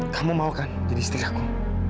kamu mau kan jadi istri aku